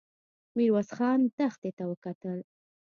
ميرويس خان دښتې ته وکتل.